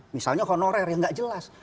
misalnya honorer yang nggak jelas